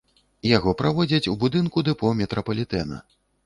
Яго праводзяць у будынку дэпо метрапалітэна.